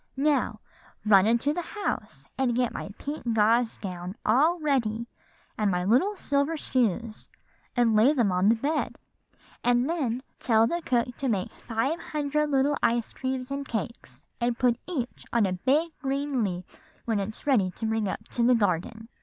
'Now run into the house, and get my pink gauze gown all ready, and my little silver shoes, and lay them on the bed; and then tell the cook to make five hundred little ice creams and cakes and put each on a big green leaf when it's ready to bring up to the garden.